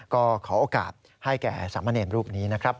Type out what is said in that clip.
ก็ขอโอกาสให้แก่สามเณรรูปนี้นะครับ